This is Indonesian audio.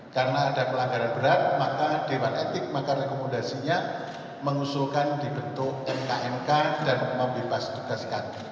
karena ada pelanggaran berat maka dawan etik maka rekomendasinya mengusulkan dibentuk mknk dan membebas tugaskan